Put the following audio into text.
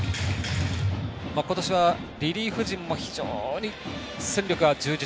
今年はリリーフ陣も非常に戦力が充実。